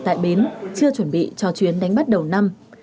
tại bến chưa chuẩn bị cho chuyến đánh bắt đầu năm